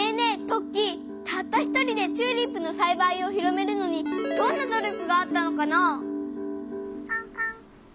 トッキーたった１人でチューリップのさいばいを広めるのにどんな努力があったのかな？